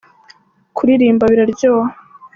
kuririmba biraryoha.